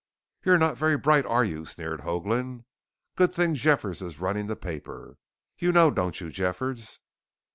"You're not very bright, are you?" sneered Hoagland. "Good thing Jeffers is running the paper. You know, don't you, Jeffers?"